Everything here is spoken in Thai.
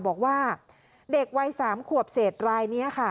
บอกว่าเด็กวัย๓ขวบเศษรายนี้ค่ะ